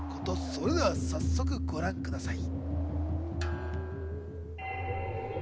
それでは早速ご覧ください。